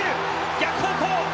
逆方向！